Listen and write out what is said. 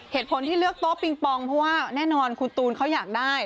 เหตุผลที่เลือกโต๊ะปิงปองเพราะว่าแน่นอนคุณตูนเขาอยากได้